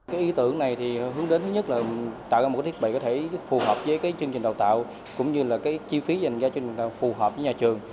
cái ý tưởng này thì hướng đến nhất là tạo ra một thiết bị có thể phù hợp với chương trình đào tạo cũng như là chi phí dành cho chương trình đào tạo phù hợp với nhà trường